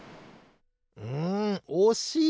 うんおしい！